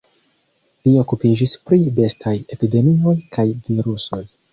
Li okupiĝis pri bestaj epidemioj kaj virusoj.